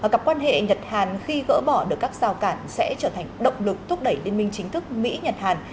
gặp quan hệ nhật hàn khi gỡ bỏ được các rào cản sẽ trở thành động lực thúc đẩy liên minh chính thức mỹ nhật hàn